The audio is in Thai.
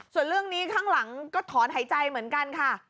ส่วนเรื่องนี้ข้างหลังก็ถอนหายใจเหมือนกันค่ะ